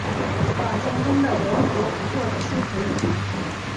坊间真的有很多不错的书可以读